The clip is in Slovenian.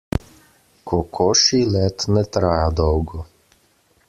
Kokošji let ne traja dolgo.